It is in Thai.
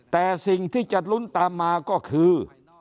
แต่สิ่งที่จะลุ้นตามมาก็คือ